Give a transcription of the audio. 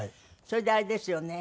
それであれですよね